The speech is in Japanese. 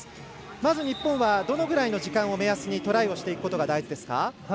まず日本はどのぐらいの時間を目安にトライをしていくことが大事ですか。